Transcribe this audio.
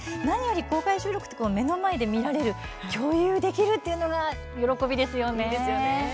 公開収録って目の前で見られる共有できるのが喜びですよね。